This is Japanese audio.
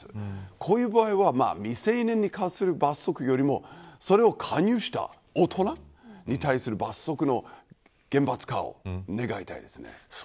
こういう場合は未成年に関する罰則よりもそれを勧誘した大人に対する厳罰化を願いたいです。